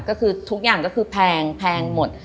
ก็คือทุกอย่างก็คือแพงหมด